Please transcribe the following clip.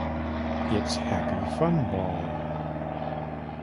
It's Happy Fun Ball.